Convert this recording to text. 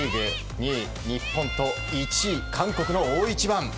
２位、日本と１位、韓国の大一番。